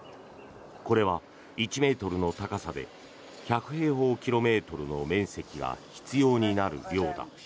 これは１ｍの高さで１００平方キロメートルの面積が必要になる量だ。